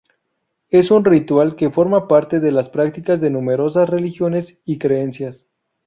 Es un ritual que forma parte de las prácticas de numerosas religiones y creencias.